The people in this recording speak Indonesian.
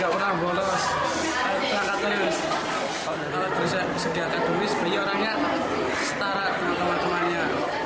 bayi orangnya setara dengan teman temannya